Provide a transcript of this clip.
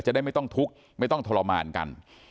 จะได้ไม่ต้องทุกข์ไม่ต้องทรมานกัน